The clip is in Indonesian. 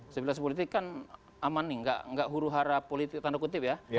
stabilitas politik kan aman nih nggak huru hara politik tanda kutip ya